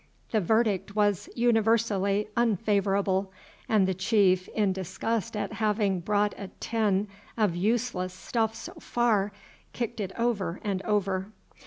The verdict was universally unfavourable, and the chief, in disgust at having brought a tin of useless stuff so far, kicked it over and over.